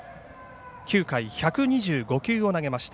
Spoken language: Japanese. ９回、１２５球を投げました。